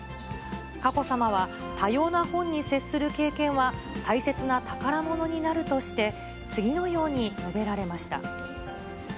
佳子さまは、多様な本に接する経験は大切な宝物になるとして、次のように述べられました。